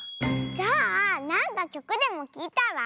じゃあなんかきょくでもきいたら？